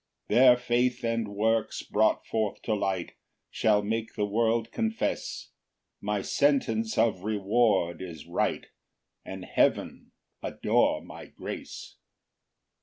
6 "Their faith and works brought forth to light "Shall make the world confess "My sentence of reward is right, "And heaven adore my grace."